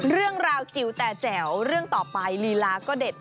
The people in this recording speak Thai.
เรื่องราวจิ๋วแต่แจ๋วเรื่องต่อไปลีลาก็เด็ด